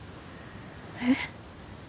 えっ？